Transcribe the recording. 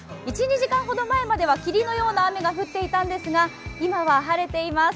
１２時間ほど前には霧のような雨が降っていたんですが、今は晴れています。